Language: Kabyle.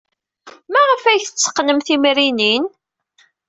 Maɣef ay tetteqqnem timrinin?